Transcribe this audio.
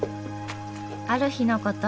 ある日のこと。